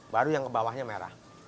baru yang kebawahnya merah